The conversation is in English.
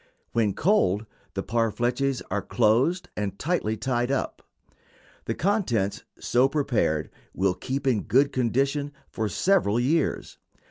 When cold, the parfleches are closed and tightly tied up. The contents so prepared will keep in good condition for several years.